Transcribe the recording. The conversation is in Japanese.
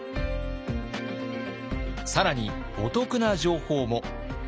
更にお得な情報も！